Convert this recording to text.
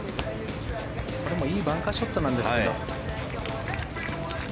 これもいいバンカーショットなんですけど。